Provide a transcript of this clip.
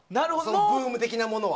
ブーム的なものは。